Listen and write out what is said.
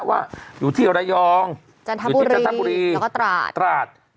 ว่าอยู่ที่ระยองอยู่ที่จันทบุรีแล้วก็ตราดตราด